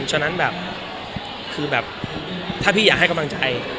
ฉะนั้นถ้าพี่อยากให้กำลังใจ